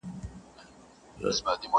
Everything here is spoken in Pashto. پر وړو لویو خبرو نه جوړېږي٫